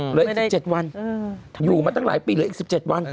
เหลืออีก๑๗วันอยู่มาตั้งหลายปีเหลืออีก๑๗วัน